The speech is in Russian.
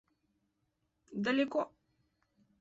Далеко.